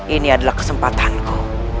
ini adalah kesempatanku